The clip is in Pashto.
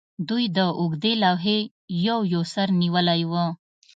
دوی د اوږدې لوحې یو یو سر نیولی و